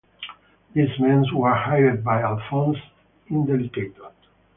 These men were hired by Alphonse Indelicato.